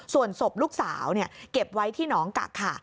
ส่วนศพลูกสาวเก็บไว้ที่หนองกักค่ะ